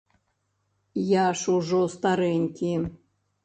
Я ж ужо старэнькі.